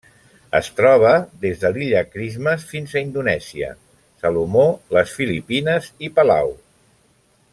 Es troba des de l'Illa Christmas fins a Indonèsia, Salomó, les Filipines i Palau.